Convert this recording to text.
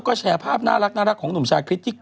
ก็แชร์ภาพน่ารักของหนุ่มชาคริสที่